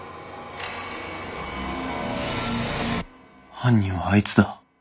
犯人はあいつだ。